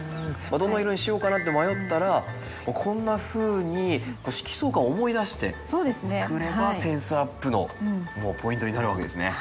どの色にしようかなって迷ったらこんなふうに色相環を思い出して作ればセンスアップのポイントになるわけですね。